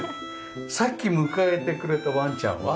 さっき迎えてくれたワンちゃんは？